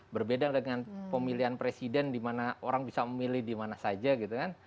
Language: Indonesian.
berbeda dengan pemilihan presiden di mana orang bisa memilih dimana saja gitu kan